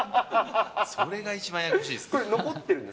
それが一番ややこしいです。